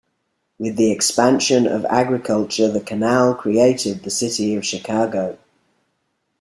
With the expansion of agriculture, the canal created the city of Chicago.